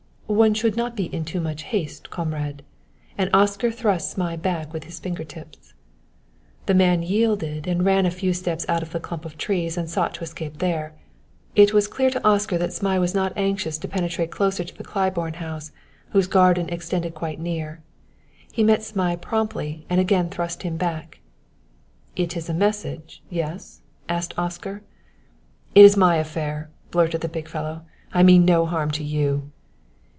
"One should not be in too much haste, comrade;" and Oscar thrust Zmai back with his finger tips. The man yielded and ran a few steps out of the clump of trees and sought to escape there. It was clear to Oscar that Zmai was not anxious to penetrate closer to the Claiborne house, whose garden extended quite near. He met Zmai promptly and again thrust him back. "It is a message yes?" asked Oscar. "It is my affair," blurted the big fellow. "I mean no harm to you."